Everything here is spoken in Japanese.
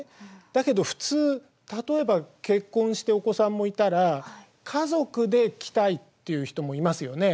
だけど普通例えば結婚してお子さんもいたら家族で来たいっていう人もいますよね。